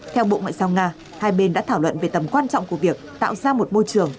theo bộ ngoại giao nga hai bên đã thảo luận về tầm quan trọng của việc tạo ra một môi trường